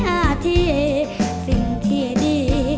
อาเทียสิ่งที่ดี